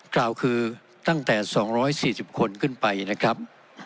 กล่าวคือตั้งแต่๒๔๐คนขึ้นไปนะครับ